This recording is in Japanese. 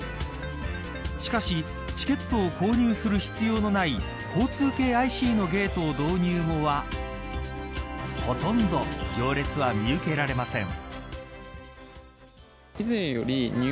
しかし、チケットを購入する必要のない交通系ＩＣのゲートを導入後はほとんど行列は見受けられません。